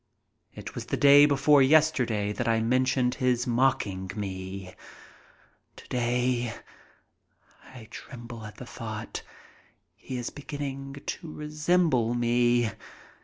It was the day before yesterday that I mentioned his mocking me. Today—I tremble at the thought—he is beginning to resemble me!